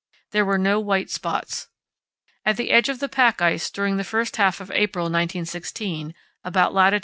There were no white spots. At the edge of the pack ice during the first half of April 1916, about lat.